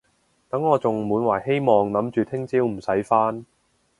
等我仲滿懷希望諗住聽朝唔使返